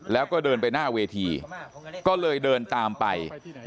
แล้วก็เดินไปหน้าเวทีก็เลยเดินตามไป